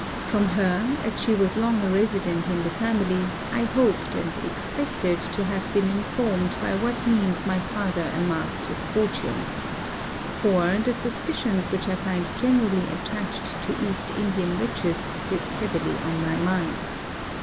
From her, as she was long a resident in the family, I hoped and expected to have been informed by what means my father amassed his fortune: for, the suspicions which I find generally attached to East Indian riches sit heavy on my mind.